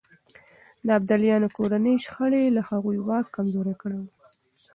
د ابدالیانو کورنۍ شخړې د هغوی واک کمزوری کړی و.